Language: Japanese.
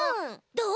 どう？